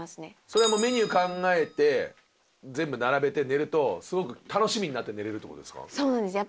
それはもうメニュー考えて全部並べて寝るとすごく楽しみになって寝れるって事ですか？